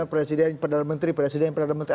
presiden perdana menteri presiden perdana menteri